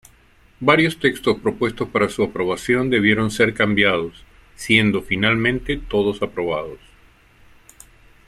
Varios textos propuestos para su aprobación debieron ser cambiados, siendo finalmente todos aprobados.